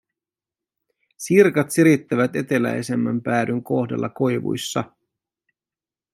Sirkat sirittävät eteläisemmän päädyn kohdalla koivuissa.